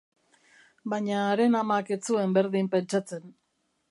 Baina haren amak ez zuen berdin pentsatzen.